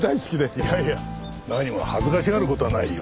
いやいや何も恥ずかしがる事はないよ。